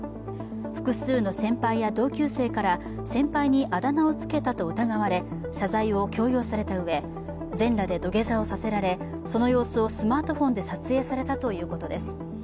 複数の先輩や同級生から先輩にあだ名をつけたと疑われ謝罪を強要されたうえ全裸で土下座をさせられその様子をスマートフォンで撮影されたということです。